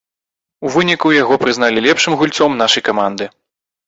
У выніку яго прызналі лепшым гульцом нашай каманды.